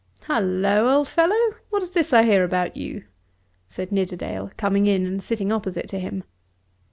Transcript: "Halloa, old fellow, what is this I hear about you?" said Nidderdale, coming in and sitting opposite to him.